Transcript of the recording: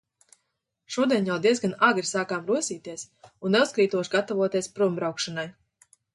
Šodien jau diezgan agri sākām rosīties un neuzkrītoši gatavoties prombraukšanai.